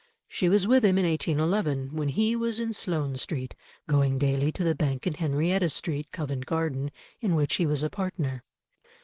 She was with him in 1811, when he was in Sloane Street, going daily to the bank in Henrietta Street, Covent Garden, in which he was a partner.